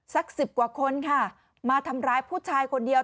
สักสิบกว่าคนค่ะมาทำร้ายผู้ชายคนเดียว